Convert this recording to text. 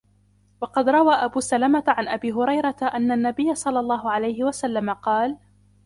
وَقَدْ رَوَى أَبُو سَلَمَةَ عَنْ أَبِي هُرَيْرَةَ أَنَّ النَّبِيَّ صَلَّى اللَّهُ عَلَيْهِ وَسَلَّمَ قَالَ